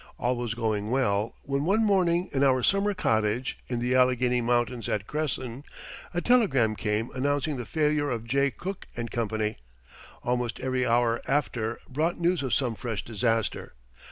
All was going well when one morning in our summer cottage, in the Allegheny Mountains at Cresson, a telegram came announcing the failure of Jay Cooke & Co. Almost every hour after brought news of some fresh disaster.